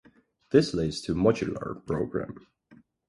This leads to a modular program.